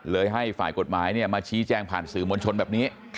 ให้ฝ่ายกฎหมายมาชี้แจงผ่านสื่อมวลชนแบบนี้